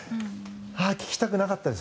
聞きたくなかったです